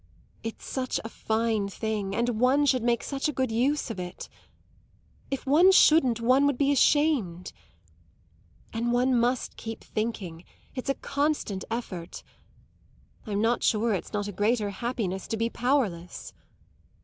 It's such a fine thing, and one should make such a good use of it. If one shouldn't one would be ashamed. And one must keep thinking; it's a constant effort. I'm not sure it's not a greater happiness to be powerless."